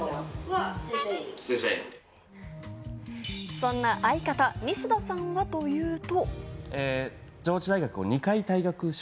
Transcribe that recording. そんな相方ニシダさんはというと。